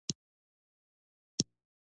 په افغانستان کې زراعت ډېر زیات اهمیت لري.